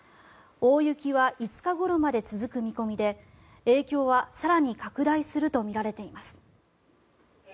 大雪は５日ごろまで続く見込みで影響は更に拡大するとみられています。